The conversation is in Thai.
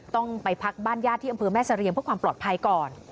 ต้องไปพักบ้านญาติที่อำเภอแม่เสรียงเพื่อความปลอดภัยก่อน